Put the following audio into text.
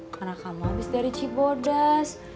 karena kamu habis dari cibodas